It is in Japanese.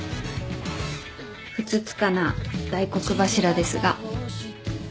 ふつつかな大黒柱ですが。